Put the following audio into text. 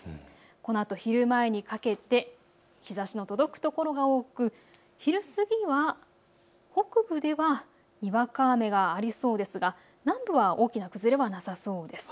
このあと昼前にかけて日ざしの届く所が多く昼過ぎには北部ではにわか雨がありそうですが南部は大きな崩れはなさそうです。